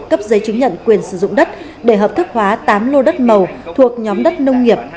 cấp giấy chứng nhận quyền sử dụng đất để hợp thức hóa tám lô đất màu thuộc nhóm đất nông nghiệp